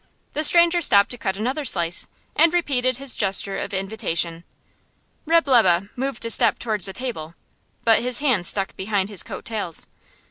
The stranger stopped to cut another slice, and repeated his gesture of invitation. Reb' Lebe moved a step towards the table, but his hands stuck behind his coat tails.